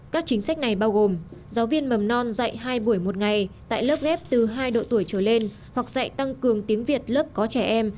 các chính sách này bao gồm giáo viên mầm non dạy hai buổi một ngày tại lớp ghép từ hai độ tuổi trở lên hoặc dạy tăng cường tiếng việt lớp có trẻ em